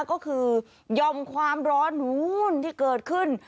ก็คือยอมความร้อนนู้นที่เกิดขึ้น